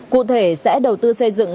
cụ thể sẽ đầu tư xây dựng